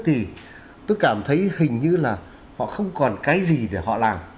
thì tôi cảm thấy hình như là họ không còn cái gì để họ làm